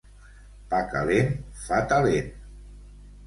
Pa calent fa talent.